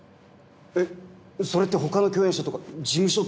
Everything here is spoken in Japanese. えっそれって他の共演者とか事務所って。